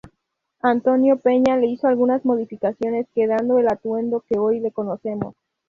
Antonio Peña le hizo algunas modificaciones quedando el atuendo que hoy le conocemos.